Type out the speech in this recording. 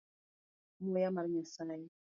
Muya mar nyasaye.